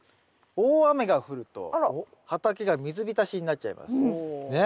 大雨が降ると畑が水浸しになっちゃいます。ね？